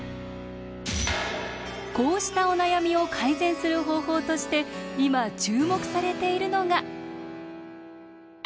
こうしたお悩みを改善する方法として今注目されているのが。